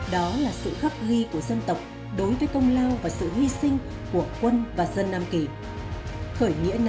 đó là sự khắc ghi của dân tộc đối với công lao và sự hy sinh